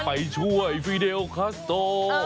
ไปช่วยฟีเดลคัสโต